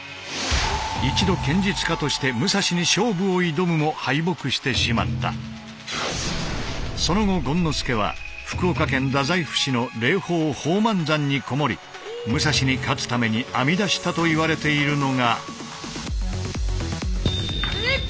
一度剣術家としてその後権之助は福岡県太宰府市の霊峰宝満山に籠もり武蔵に勝つために編み出したといわれているのが。